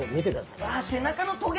わ背中のトゲ！